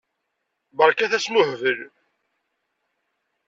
Berkat asmuhbel.